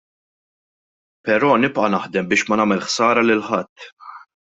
Però nibqa' naħdem biex ma nagħmel ħsara lil ħadd.